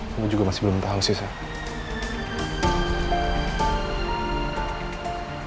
kamu juga masih belum paham sih sah